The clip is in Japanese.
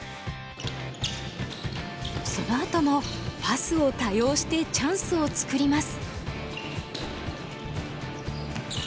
そのあともパスを多用してチャンスを作ります。